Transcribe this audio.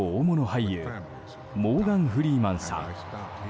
俳優モーガン・フリーマンさん。